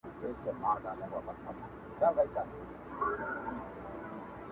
• بیا به بهار وي جهان به ګل وي -